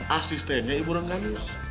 asistennya ibu ranganiste